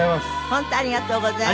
本当ありがとうございました。